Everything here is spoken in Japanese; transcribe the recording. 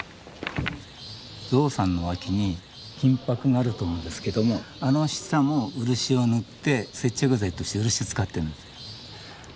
ゾウさんの脇に金ぱくがあると思うんですけどもあの下も漆を塗って接着剤として漆使ってるんですよ。